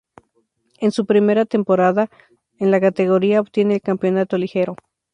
En su primera temporada en la categoría obtiene el campeonato liguero.